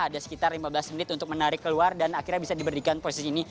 ada sekitar lima belas menit untuk menarik keluar dan akhirnya bisa diberikan posisi ini